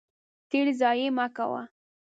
تیل ضایع مه کوه.